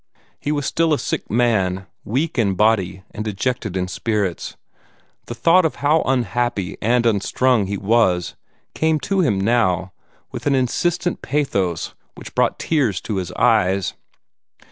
He was still a sick man, weak in body and dejected in spirits. The thought of how unhappy and unstrung he was came to him now with an insistent pathos that brought tears to his eyes.